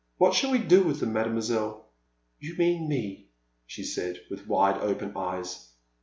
What shall we do with them, Mademoiselle? *'You mean me," she said, with wide open eyes.